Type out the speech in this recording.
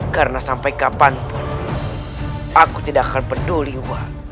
karena sampai kapanpun aku tidak akan peduli wak